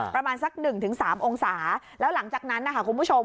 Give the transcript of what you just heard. ประมาณสัก๑๓องศาแล้วหลังจากนั้นนะคะคุณผู้ชม